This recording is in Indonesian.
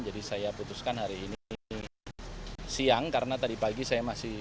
jadi saya putuskan hari ini siang karena tadi pagi saya masih